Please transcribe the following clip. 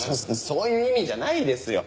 そういう意味じゃないですよ。